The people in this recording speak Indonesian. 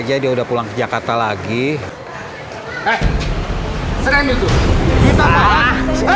ada apa apa sama pak musa